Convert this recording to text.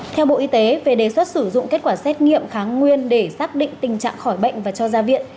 theo bộ y tế về đề xuất sử dụng kết quả xét nghiệm kháng nguyên để xác định tình trạng khỏi bệnh và cho ra viện